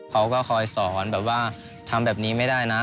เขาก็คอยสอนแบบว่าทำแบบนี้ไม่ได้นะ